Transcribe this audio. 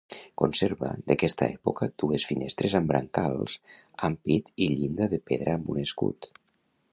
Conserva d'aquesta època dues finestres amb brancals, ampit i llinda de pedra amb un escut.